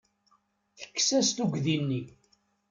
Tekkes-as tuggdi-nni.